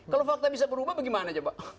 kalau fakta bisa berubah bagaimana coba